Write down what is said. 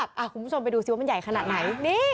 คุณผู้ชมไปดูสิว่ามันใหญ่ขนาดไหน